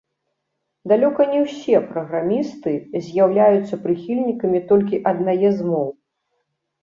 Далёка не ўсе праграмісты з'яўляюцца прыхільнікамі толькі аднае з моў.